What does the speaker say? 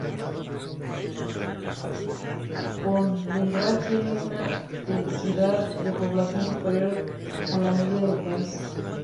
Pontevedra tiene una densidad de población superior a la media del país.